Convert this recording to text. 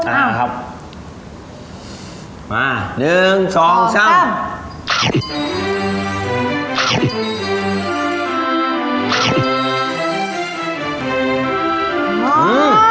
มาหนึ่งสองสามสองสาม